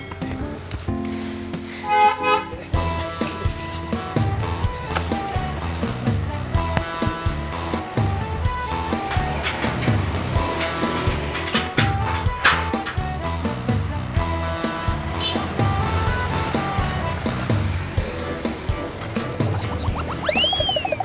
masuk masuk masuk